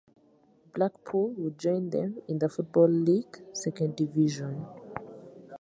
Blackpool would join them in the Football League Second Division.